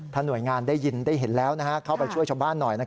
หน่วยงานได้ยินได้เห็นแล้วเข้าไปช่วยชาวบ้านหน่อย